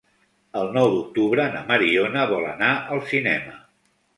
El nou d'octubre na Mariona vol anar al cinema.